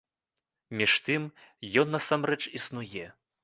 Між тым, ён насамрэч існуе.